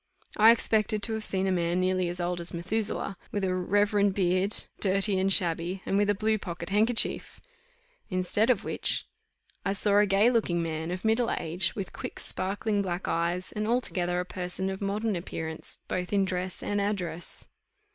I expected to have seen a man nearly as old as Methuselah, with a reverend beard, dirty and shabby, and with a blue pocket handkerchief. Instead of which I saw a gay looking man, of middle age, with quick sparkling black eyes, and altogether a person of modern appearance, both in dress and address.